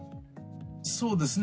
そうですね。